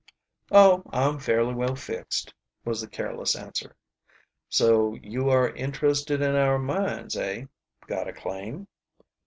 "Oh, I'm fairly well fixed," was the careless answer. "So you are interested in our mines, eh? Got a claim?"